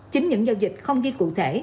chính những giao dịch không ghi cụ thể